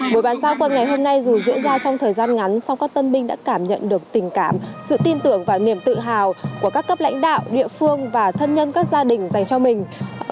buổi bán giao quân ngày hôm nay dù diễn ra trong thời gian ngắn song các tân binh đã cảm nhận được tình cảm sự tin tưởng và niềm tự hào của các cấp lãnh đạo địa phương và thân nhân các gia đình dành cho mình